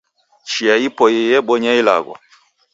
Chia ipoiye yebonya ilagho